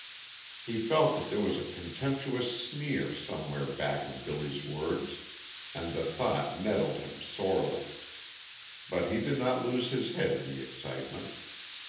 He felt that there was a contemptuous sneer somewhere back of Billy's words, and the thought nettled him sorely. But he did not lose his head in the excitement.